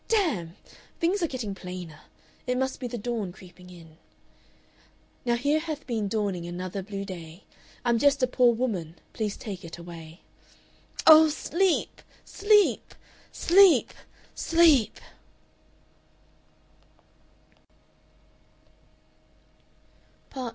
"Damn! Things are getting plainer. It must be the dawn creeping in. "Now here hath been dawning another blue day; I'm just a poor woman, please take it away. "Oh, sleep! Sleep! Sleep! Sleep!"